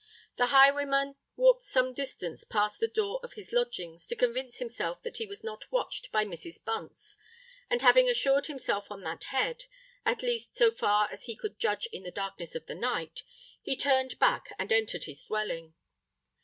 The highwayman walked some distance past the door of his lodgings, to convince himself that he was not watched by Mrs. Bunce; and having assured himself on that head,—at least so far as he could judge in the darkness of the night,—he turned back and entered his dwelling.